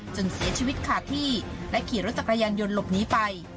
จนเสียชีวิตขาดที่และขี่รถจักรยานยนต์หลบหนีไป